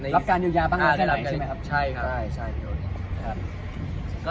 รับการอยู่ดีเกมือเป็นทีนะครับ